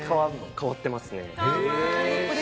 変わってますね。